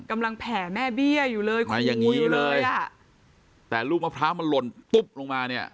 กำลังแผ่แม่เบี้ยอยู่เลยอยู่เลยอ่ะแต่ลูกมะพร้าวมันหล่นตุ๊บลงมาเนี่ย